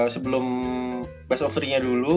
sebelum best of tiga nya dulu